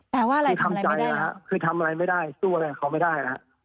แปลว่าอะไรทำอะไรไม่ได้แล้วครับคือทำอะไรไม่ได้สู้อะไรกับเขาไม่ได้